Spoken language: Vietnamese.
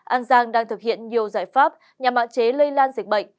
an giang đang thực hiện nhiều giải pháp nhằm hạn chế lây lan dịch bệnh